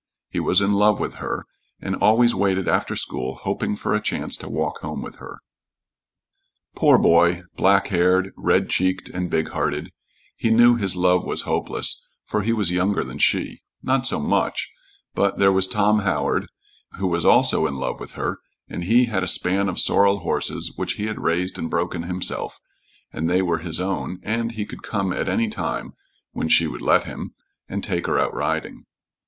He was in love with her, and always waited after school, hoping for a chance to walk home with her. Poor boy! Black haired, red cheeked, and big hearted, he knew his love was hopeless, for he was younger than she not so much; but there was Tom Howard who was also in love with her, and he had a span of sorrel horses which he had raised and broken himself, and they were his own, and he could come at any time when she would let him and take her out riding.